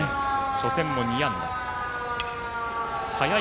初戦も２安打。